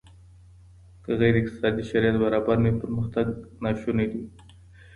که غير اقتصادي شرايط برابر نه وي پرمختګ ناسونی دی.